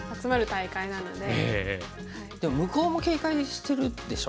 でも向こうも警戒してるでしょ？